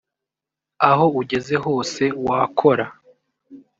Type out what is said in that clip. aho ugeze hose wakora